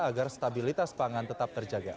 agar stabilitas pangan tetap terjaga